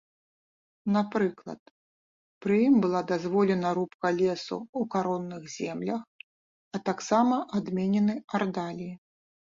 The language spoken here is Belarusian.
Напрыклад, пры ім была дазволена рубка лесу ў каронных землях, а таксама адменены ардаліі.